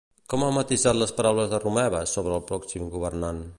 Com ha matisat les paraules de Romeva sobre el pròxim governant?